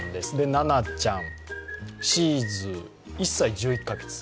ななちゃん、シーズー、１歳１１カ月。